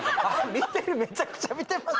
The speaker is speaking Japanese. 見てるめちゃくちゃ見てます。